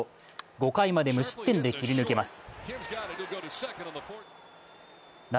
５回まで無失点で切り抜けます。